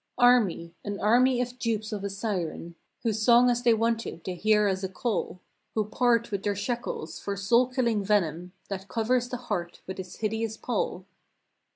Army! An army of dupes of a siren. Whose song as they want it they hear as a call. Who part with their shekels for soul killing venom That covers the heart with its hideous pall.